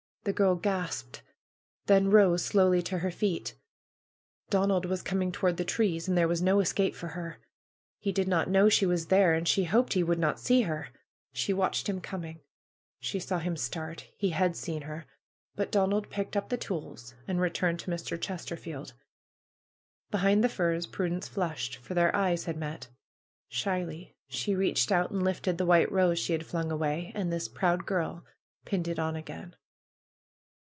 The girl gasped, then rose slowly to her feet. Don ald was coming toward the trees and there was no es cape for her. He did not know she was there, and she hoped he would not see her. She watched him coming. She saw him start. He had seen her; but Donald picked up the tools and returned to Mr. Ches terfield. Behind the firs Prudence flushed, for their eyes had met. Shyly she reached out and lifted the white rose she had flung away. And this proud girl pinned it on again.